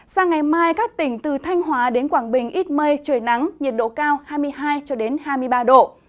sang ngày mai các tỉnh từ thanh hóa đến quảng bình ít mây trời nắng nhiệt độ cao hai mươi hai hai mươi ba độ